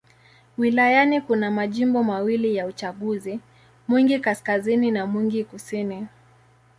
Wilayani kuna majimbo mawili ya uchaguzi: Mwingi Kaskazini na Mwingi Kusini.